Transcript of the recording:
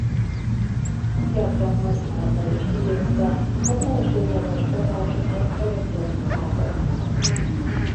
Gyakran használta és idézte az elsődleges forrásokat vagy a krónikákat.